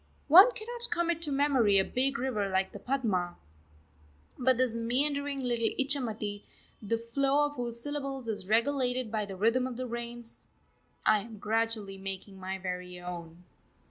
One cannot commit to memory a big river like the Padma, but this meandering little Ichamati, the flow of whose syllables is regulated by the rhythm of the rains, I am gradually making my very own....